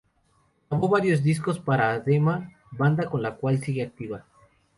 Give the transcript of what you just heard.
Grabó varios discos para Adema, banda con cual sigue activa.